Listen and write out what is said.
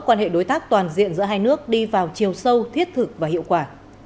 quan hệ đối tác toàn diện giữa hai nước đi vào chiều sâu thiết thực và hiệu quả